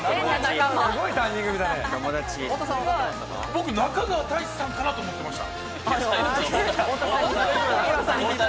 僕、中川大志さんかなと思っていました。